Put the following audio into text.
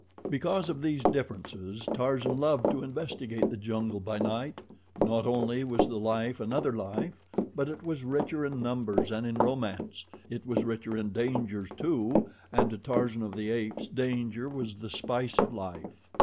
Because of these differences Tarzan loved to investigate the jungle by night. Not only was the life another life; but it was richer in numbers and in romance; it was richer in dangers, too, and to Tarzan of the Apes danger was the spice of life.